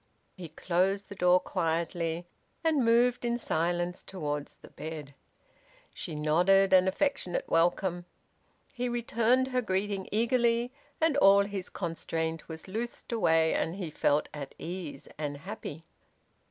He closed the door quietly, and moved in silence towards the bed. She nodded an affectionate welcome. He returned her greeting eagerly, and all his constraint was loosed away, and he felt at ease, and happy.